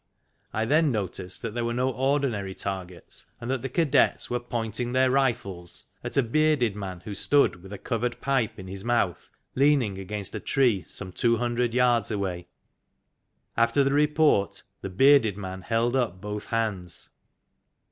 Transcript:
I then noticed that there were no ordinary targets, and that the cadets were pointing their rifles at a bearded man who stood with a covered pipe in his mouth, leaning against a tree some two hundred yards away, 12 MUTUAL EXTERMINATION CLUB 13 After the report the bearded man held up both hands.